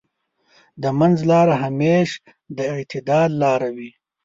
د منځ لاره همېش د اعتدال لاره وي.